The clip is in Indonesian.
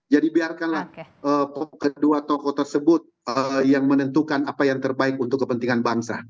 jadi biarkanlah kedua tokoh tersebut yang menentukan apa yang terbaik untuk kepentingan bangsa